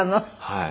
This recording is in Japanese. はい。